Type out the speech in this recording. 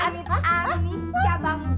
dia bener bener nyaman